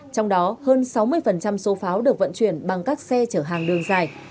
trong đó hơn sáu mươi số pháo được vận chuyển bằng các xe chở hàng đường dài